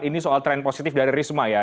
ini soal tren positif dari risma ya